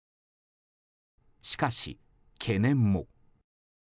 しかし、懸念も。